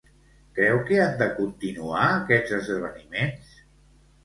Creu que han de continuar aquests esdeveniments?